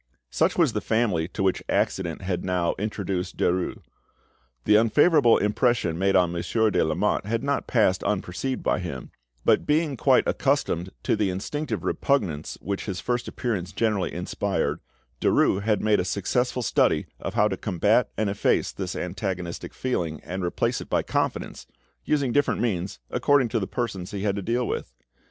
Such was the family to which accident had now introduced Derues. The unfavourable impression made on Monsieur de Lamotte had not passed unperceived by him; but, being quite accustomed to the instinctive repugnance which his first appearance generally inspired, Derues had made a successful study of how to combat and efface this antagonistic feeling, and replace it by confidence, using different means according to the persons he had to deal with.